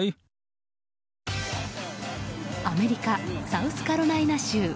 アメリカ・サウスカロライナ州。